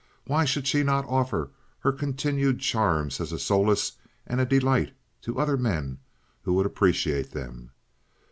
Why should she not offer her continued charms as a solace and a delight to other men who would appreciate them?